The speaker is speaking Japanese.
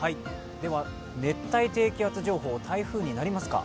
では熱帯低気圧情報、台風になりますか？